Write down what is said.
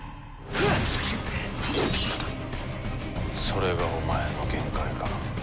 それがお前の限界か。